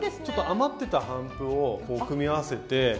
ちょっと余ってた帆布を組み合わせて。